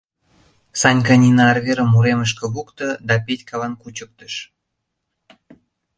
Санька нине арверым уремышке лукто да Петькалан кучыктыш.